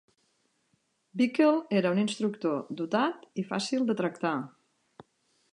Bickel era un instructor dotat i fàcil de tractar.